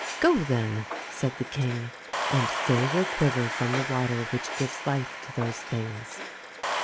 " Go, then," said the king, " and fill your quiver from the water which gives life to those things."